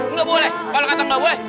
nggak boleh kalau kata mbak gue nggak boleh